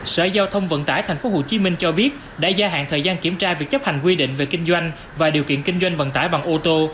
sở giao thông vận tải tp hcm cho biết đã gia hạn thời gian kiểm tra việc chấp hành quy định về kinh doanh và điều kiện kinh doanh vận tải bằng ô tô